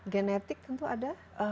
genetik tentu ada